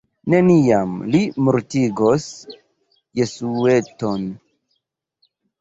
Neniam li mortigos Jesueton.